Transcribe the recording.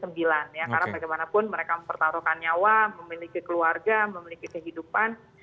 karena bagaimanapun mereka mempertaruhkan nyawa memiliki keluarga memiliki kehidupan